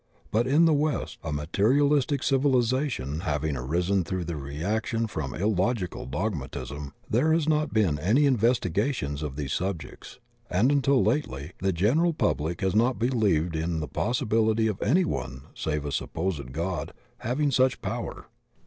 But in the West a materiaUstic civilization having arisen through a denial of the soul life and nature consequent upon a reaction from illogical dogmatism, there has not been any investigation of these subjects and, until lately, the general public has not believed in the possibility of anyone save a supposed God having such power.